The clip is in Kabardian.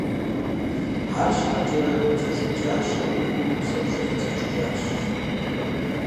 АрщхьэкIэ, телъыджащэу Iуэхум зыкъызэридзэкIыжащ.